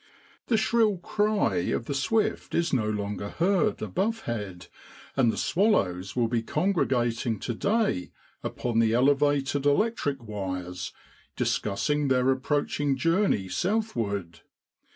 The shrill ory of the swift is no longer heard abovehead, and the swallows will be congregating to day upon the elevated electric wires, discussing their approaching journey southward.